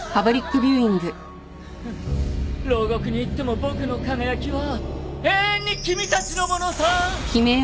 牢獄にいっても僕の輝きは永遠に君たちのものさ。